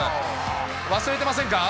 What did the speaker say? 忘れてませんか？